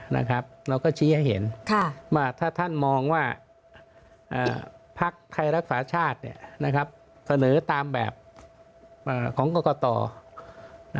เราก็ชี้ให้เห็นว่าถ้าท่านมองว่าพักไทยรักษาชาติเสนอตามแบบของกรกต